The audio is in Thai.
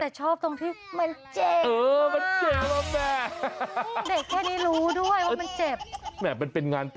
แต่ชอบตรงที่มันเจ็บมาก